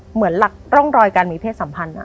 เหมือนหลักร่องรอยการมีเพศสัมพันธ์